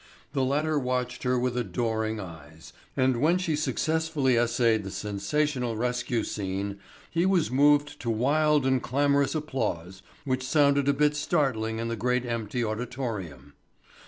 The latter watched her with adoring eyes, and when she successfully essayed the sensational rescue scene he was moved to wild and clamorous applause which sounded a bit startling in the great empty auditorium.